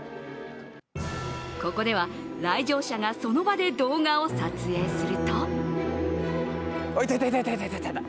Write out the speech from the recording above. ここでは来場者がその場で動画を撮影するといたいたいたいた！